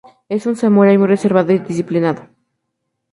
Es un samurái muy reservado y disciplinado.